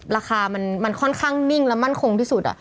ราคามันค่อนข้างนิ่งและมั่นคงที่สุด